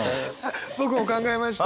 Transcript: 僕も考えました。